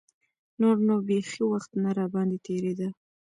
نور نو بيخي وخت نه راباندې تېرېده.